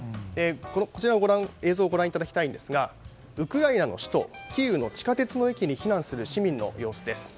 こちらの映像をご覧いただきたいんですがウクライナの首都キーウの地下鉄の駅に避難する市民の様子です。